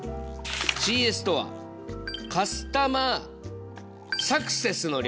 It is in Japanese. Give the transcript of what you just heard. ＣＳとはカスタマーサクセスの略。